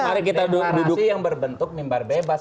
deklarasi yang berbentuk imbar bebas